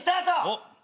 おっ。